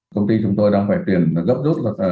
công ty chúng tôi đang phải truyền gấp rút